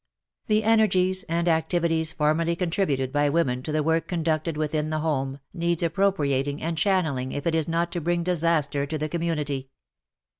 The energies and activities formerly contributed by women to the work conducted within the home, needs appropriating and channelling if it is not to bring disaster to the community.